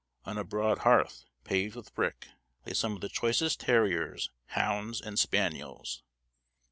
On a broad hearth, paved with brick, lay some of the choicest terriers, hounds, and spaniels."